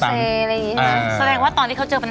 แม่บ้านประจันบัน